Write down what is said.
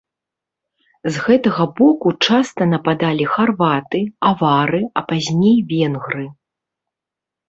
З гэтага боку часта нападалі харваты, авары, а пазней венгры.